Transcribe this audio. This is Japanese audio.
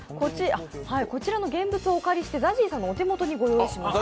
こちらの現物をお借りしてＺＡＺＹさんのお手元に御用意しました。